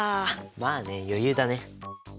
まあね余裕だね。